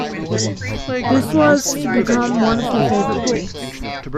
This was to become one of her favorite books.